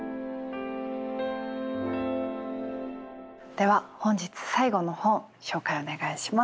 では本日最後の本紹介お願いします。